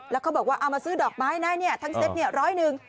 แล้วเขาบอกว่าเอามาซื้อดอกไม้นะเนี่ยทั้งเซ็ตเนี่ยร้อยหนึ่ง